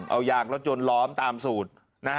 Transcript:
เอายางรถยนต์ล้อมตามสูตร